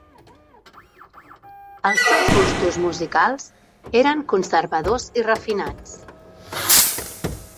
Els seus gustos musicals eren conservadors i refinats.